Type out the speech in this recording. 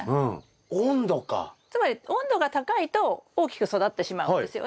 つまり温度が高いと大きく育ってしまうんですよね。